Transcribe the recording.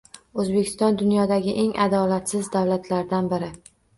O'zbekiston dunyodagi eng adolatsiz davlatlardan biri